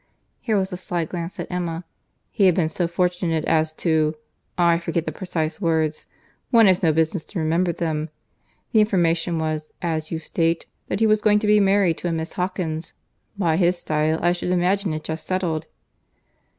— Here was a sly glance at Emma. "He had been so fortunate as to—I forget the precise words—one has no business to remember them. The information was, as you state, that he was going to be married to a Miss Hawkins. By his style, I should imagine it just settled."